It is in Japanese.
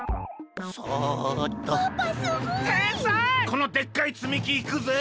このでっかいつみきいくぜ！